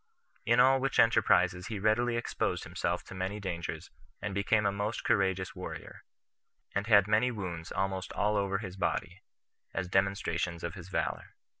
In all which enterprises he readily exposed himself to many dangers, and became a most courageous warrior; and had many wounds almost all over his body, as demonstrations of his valor.